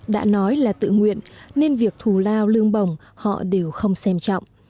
đã nói là tự nguyện nên việc thù lao lương bồng họ đều không xem trọng